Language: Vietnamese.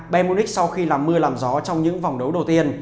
bayern munich sau khi làm mưa làm gió trong những vòng đấu đầu tiên